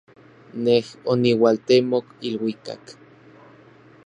Nej oniualtemok iluikak.